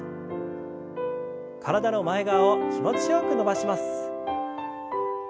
体の前側を気持ちよく伸ばします。